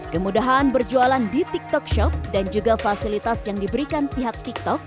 kemudahan berjualan di tiktok shop dan juga fasilitas yang diberikan pihak tiktok